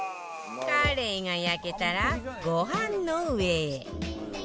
カレイが焼けたらご飯の上へ